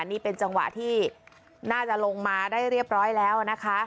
นี่เป็นจังหวะที่น่าจะลงมาได้เรียบร้อยแล้วนะคะ